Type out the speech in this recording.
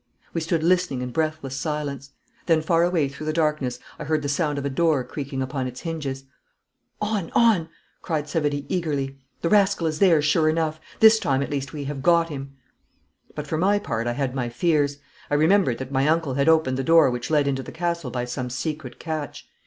We stood listening in breathless silence. Then far away through the darkness I heard the sound of a door creaking upon its hinges. 'On, on!' cried Savary, eagerly. 'The rascal is there, sure enough. This time at least we have got him!' But for my part I had my fears. I remembered that my uncle had opened the door which led into the castle by some secret catch.